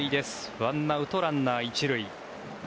１アウト、ランナー１塁。